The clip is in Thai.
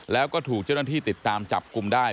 แล้วก็ถูกเจ้าหน้าที่ติดตามจับกลุ่มได้